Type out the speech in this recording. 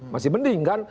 masih mending kan